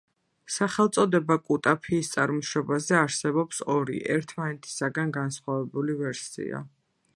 სახელწოდება კუტაფიის წარმოშობაზე არსებობს ორი, ერთმანეთისაგან განსხვავებული ვერსია.